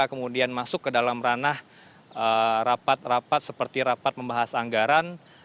kemudian masuk ke dalam ranah rapat rapat seperti rapat membahas anggaran